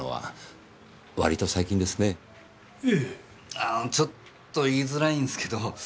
あのちょっと言いづらいんすけど。